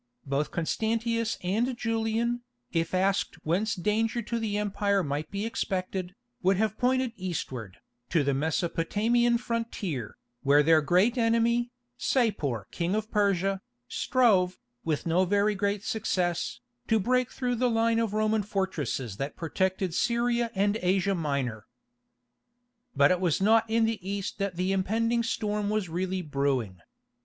Both Constantius and Julian, if asked whence danger to the empire might be expected, would have pointed eastward, to the Mesopotamian frontier, where their great enemy, Sapor King of Persia, strove, with no very great success, to break through the line of Roman fortresses that protected Syria and Asia Minor. But it was not in the east that the impending storm was really brewing.